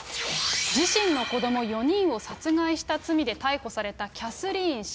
自身の子ども４人を殺害した罪で逮捕されたキャスリーン氏。